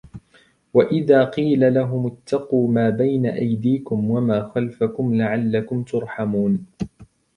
وإذا قيل لهم اتقوا ما بين أيديكم وما خلفكم لعلكم ترحمون